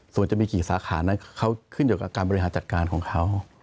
ส่วนจะมีกี่สาขานั้นเขาขึ้นอยู่กับการบริหารจัดการของเขา